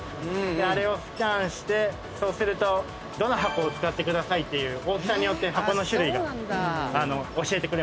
あれをスキャンしてそうするとどの箱を使ってくださいって大きさによって箱の種類を教えてくれます。